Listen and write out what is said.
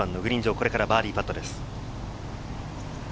これからバーディーパットです。